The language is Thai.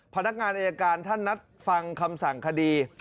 พนักงานอายการท่านนัดฟังคำสั่งคดี